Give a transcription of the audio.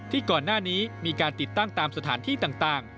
ก่อนหน้านี้มีการติดตั้งตามสถานที่ต่าง